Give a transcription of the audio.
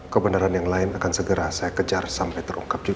kebenaran yang lain akan segera saya kejar sampai terungkap juga